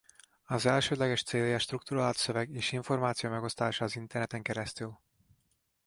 Az elsődleges célja strukturált szöveg és információ megosztása az interneten keresztül.